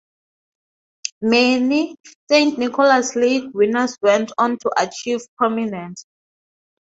Many "Saint Nicholas League" winners went on to achieve prominence.